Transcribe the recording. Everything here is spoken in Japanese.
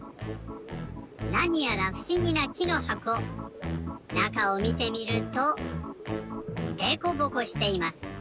なにやらふしぎなきのはこ。なかをみてみるとデコボコしています。